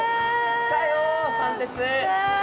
来たよ、三鉄！